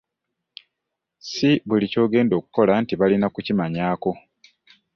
Si buli ky'ogenda okkola nti balina okukimanyako.